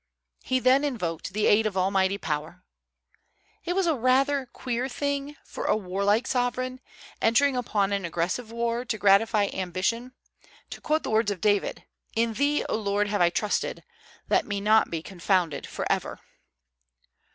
He then invoked the aid of Almighty Power. It was rather a queer thing for a warlike sovereign, entering upon an aggressive war to gratify ambition, to quote the words of David: "In thee, O Lord, have I trusted: let me not be confounded forever."